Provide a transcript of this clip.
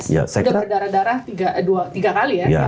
sudah berdarah darah tiga kali ya